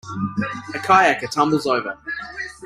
a kayaker tumbles over.